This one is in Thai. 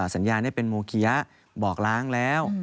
สัญญานี่เป็นโมเคี้ยบอกล้างแล้ว